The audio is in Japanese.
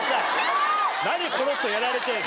何コロっとやられてんの？